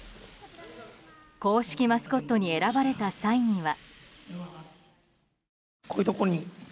公式マスコットに選ばれた際には。